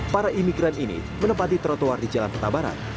para imigran ini menempati trotoar di jalan petabaran